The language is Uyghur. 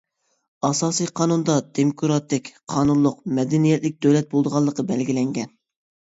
ئاساسىي قانۇندا دېموكراتىك، قانۇنلۇق، مەدەنىيەتلىك دۆلەت بولىدىغانلىقى بەلگىلەنگەن.